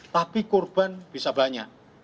tapi korban bisa banyak